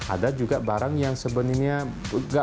ada juga barang yang sebenarnya nggak percaya